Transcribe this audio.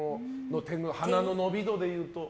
天狗の鼻の伸び度でいうと。